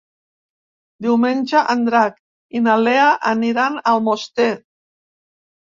Diumenge en Drac i na Lea aniran a Almoster.